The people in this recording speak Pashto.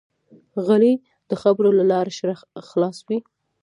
غلی، د خبرو له شره خلاص وي.